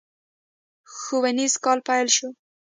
ښوونيز کال پيل شو.